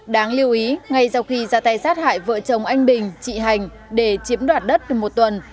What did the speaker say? đáng lưu ý ngay sau khi ra tay sát hại vợ chồng anh bình chị hành để chiếm đoạt đất được một tuần